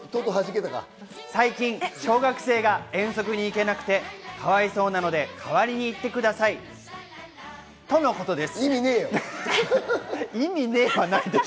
最近、小学生が遠足に行けなくてかわいそうなので代わりにいてくとのことです。